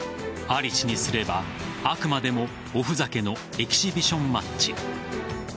アリ氏にすれば、あくまでもおふざけのエキシビションマッチ。